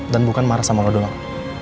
dan bukan marah sama lo doang